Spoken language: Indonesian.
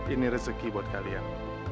ini rezeki buat kalian